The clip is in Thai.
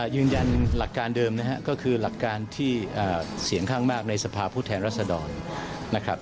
ยืนยันหลักการเดิมนะครับก็คือหลักการที่เสียงข้างมากในสภาพผู้แทนรัศดรนะครับ